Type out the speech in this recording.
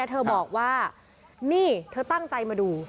เธอบอกว่านี่เธอตั้งใจมาดู